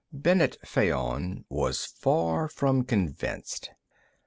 Bennet Fayon was far from convinced.